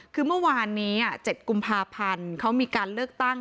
คือเมื่อวานนี้๗กุมภาพันธ์เขามีการเลือกตั้ง